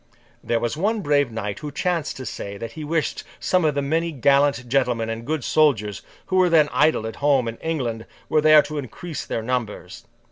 There was one brave knight who chanced to say that he wished some of the many gallant gentlemen and good soldiers, who were then idle at home in England, were there to increase their numbers.